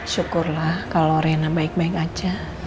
syukurlah kalau rena baik baik aja